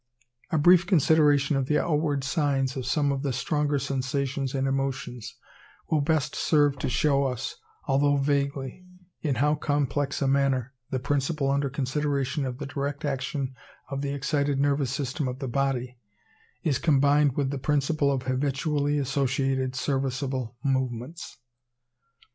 A brief consideration of the outward signs of some of the stronger sensations and emotions will best serve to show us, although vaguely, in how complex a manner the principle under consideration of the direct action of the excited nervous system of the body, is combined with the principle of habitually associated, serviceable movements.